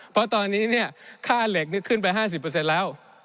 เพราะตอนนี้ค่าเหล็กขึ้นไป๕๐แล้ว